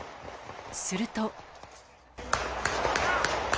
すると。